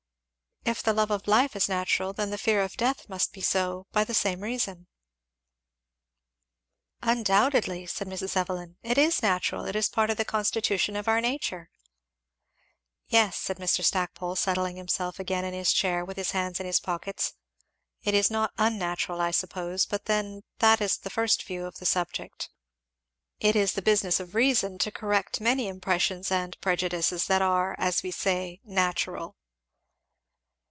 "If the love of life is natural, the fear of death must be so, by the same reason." "Undoubtedly," said Mrs. Evelyn, "it is natural it is part of the constitution of our nature." "Yes," said Mr. Stackpole, settling himself again in his chair with his hands in his pockets "it is not unnatural, I suppose, but then that is the first view of the subject it is the business of reason to correct many impressions and prejudices that are, as we say, natural."